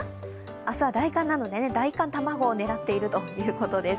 明日は大寒なので大寒たまごを狙っているということです。